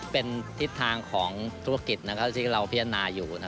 เป็นทิศทางของธุรกิจที่เราพิจารณาอยู่